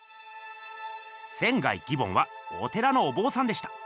仙義梵はお寺のお坊さんでした。